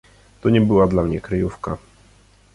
"To nie była dla mnie kryjówka."